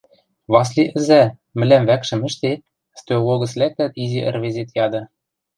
– Васли ӹзӓ, мӹлӓм вӓкшӹм ӹштет? – стӧл логӹц лӓктӓт, изи ӹрвезет яды.